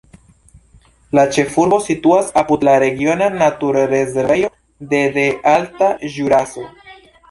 La ĉefurbo situas apud la regiona naturrezervejo de de alta Ĵuraso.